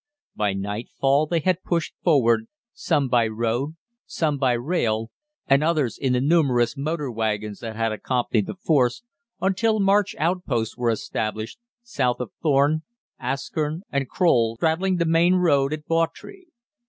By nightfall they had pushed forward, some by road, some by rail, and others in the numerous motor wagons that had accompanied the force, until march outposts were established, south of Thorne, Askern, and Crowle, straddling the main road at Bawtry.